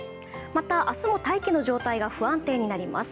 また明日も大気の状態が不安定になります。